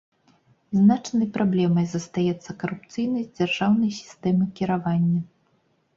Значнай праблемай застаецца карупцыйнасць дзяржаўнай сістэмы кіравання.